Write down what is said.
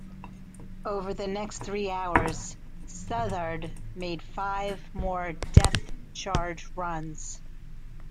Over the next three hours "Southard" made five more depth-charge runs.